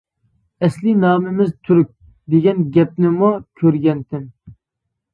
ئەسلى نامىمىز، تۈرك، دېگەن گەپنىمۇ كۆرگەنتىم.